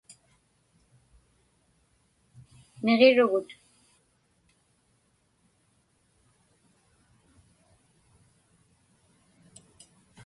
Niġirugut.